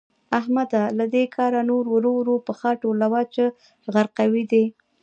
احمده؛ له دې کاره نور ورو ورو پښه ټولوه چې غرقوي دي.